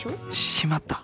しまった！